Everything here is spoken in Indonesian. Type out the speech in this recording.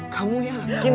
kamu yang bikin